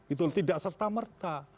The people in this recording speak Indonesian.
itu tidak serta merta